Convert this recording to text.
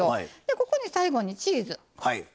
ここに最後にチーズ。